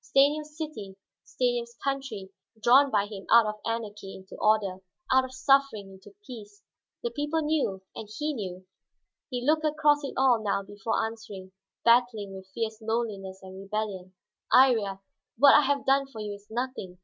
Stanief's city, Stanief's country this, drawn by him out of anarchy into order, out of suffering into peace. The people knew, and he knew. He looked across it all now before answering, battling with fierce loneliness and rebellion. "Iría, what I have done for you is nothing.